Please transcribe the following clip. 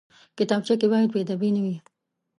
کتابچه کې باید بېادبي نه وي